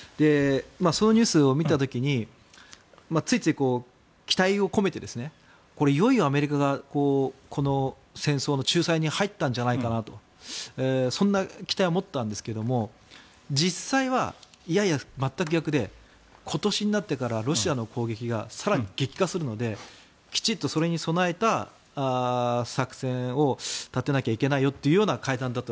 そのニュースを見た時についつい、期待を込めてこれ、いよいよアメリカがこの戦争の仲裁に入ったんじゃないかなとそんな期待を持ったんですが実際はいやいや、全く逆で今年になってからロシアの攻撃が更に激化するのできちんとそれに備えた作戦を立てないといけないよというような会談だったと。